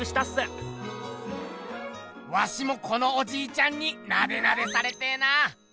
ワシもこのおじいちゃんになでなでされてぇな！